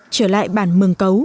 trở lại bản mừng cấu